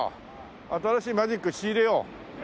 新しいマジック仕入れよう。